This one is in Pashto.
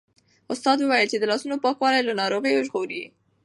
استاد وویل چې د لاسونو پاکوالی له ناروغیو ژغوري.